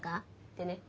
ってね。